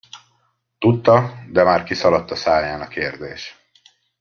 Tudta, de már kiszaladt a száján a kérdés.